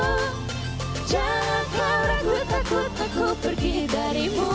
jangan kau ragu takut aku pergi darimu